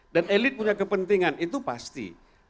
dan elit punya kepentingan itu pasti